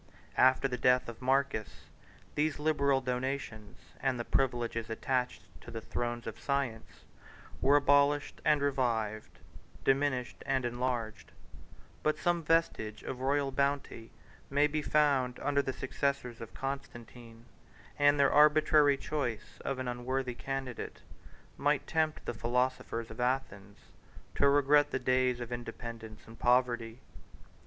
148 After the death of Marcus, these liberal donations, and the privileges attached to the thrones of science, were abolished and revived, diminished and enlarged; but some vestige of royal bounty may be found under the successors of Constantine; and their arbitrary choice of an unworthy candidate might tempt the philosophers of Athens to regret the days of independence and poverty.